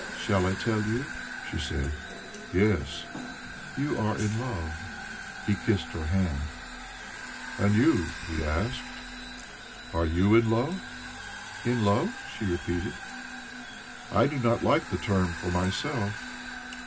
"Shall I tell you?" she said. , "Yes." " ,You are in love." He kissed her hand. "And you?" he asked. "Are you in love?" "In love?" she repeated. "I do not like the term for myself.